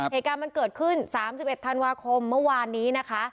เหตุการณ์มันเกิดขึ้น๓๑ธันวาคมเมื่อวานนี้นะคะ